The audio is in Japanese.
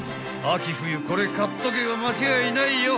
［秋冬これ買っとけば間違いないよ！］